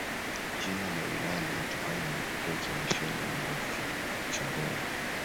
Jina la wilaya limetokana na kituo cha misheni ya Moravian cha Rungwe